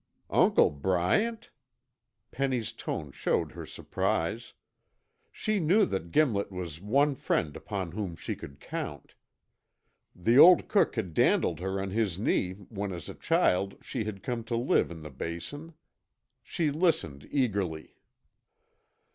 "Uncle Bryant?" Penny's tone showed her surprise. She knew that Gimlet was one friend upon whom she could count. The old cook had dandled her on his knee when as a child she had come to live in the Basin. She listened eagerly.